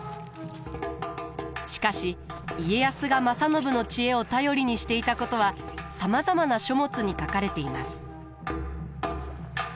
しかし家康が正信の知恵を頼りにしていたことはさまざまな書物に書かれています。